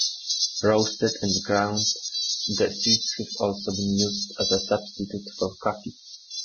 Roasted and ground, the seeds have also been used as a substitute for coffee.